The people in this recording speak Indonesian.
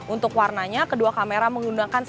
untuk warnanya kedua kamera menggunakan enam puluh fps